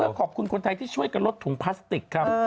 ขอบคุณคนไทยที่ช่วยกันลดถุงพลาสติกครับ